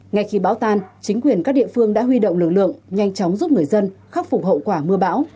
ngay khi bão tan chính quyền các địa phương đã huy động lực lượng nhanh chóng giúp người dân khắc phục hậu quả mưa bão